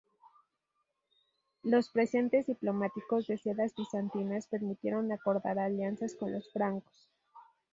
Los presentes diplomáticos de sedas bizantinas permitieron acordar alianzas con los francos.